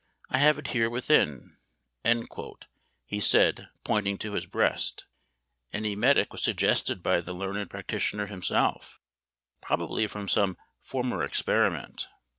I have it here within," he said, pointing to his breast an emetic was suggested by the learned practitioner himself, probably from some former experiment.